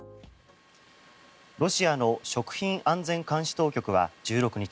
ロシアの食品安全監視当局は１６日